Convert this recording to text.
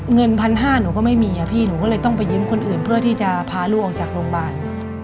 เงิน๑๕๐๐บาทหนูก็ไม่มีอะพี่หนูก็เลยต้องไปยืมคนอื่นเพื่อที่จะพาลูกออกจากโรงพยาบาล